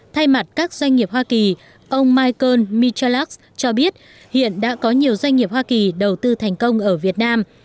thay mặt các doanh nghiệp hoa kỳ ông michael michalaks cho biết hiện đã có nhiều doanh nghiệp hoa kỳ đầu tư thành công ở việt nam